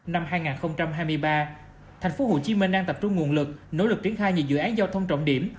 năm hai nghìn hai mươi ba tp hcm đang tập trung nguồn lực nỗ lực triển khai nhiều dự án giao thông trọng điểm